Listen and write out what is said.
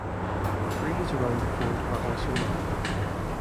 Trees around the fort are also mild.